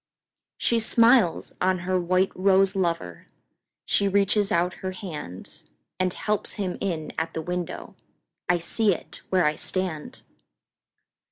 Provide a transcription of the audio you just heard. She smiles on her white rose lover, She reaches out her handAnd helps him in at the window—I see it where I stand!